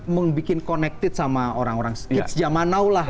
membuat connected sama orang orang skitch zaman now lah